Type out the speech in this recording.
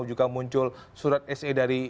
juga muncul surat se dari